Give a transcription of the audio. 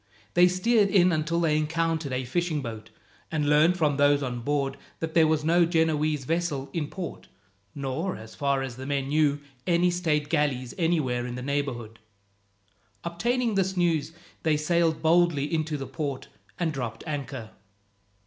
They steered in until they encountered a fishing boat, and learned from those on board that there was no Genoese vessel in port, nor, as far as the men knew, any state galleys anywhere in the neighbourhood. Obtaining this news, they sailed boldly into the port and dropped anchor.